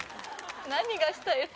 何がしたいの？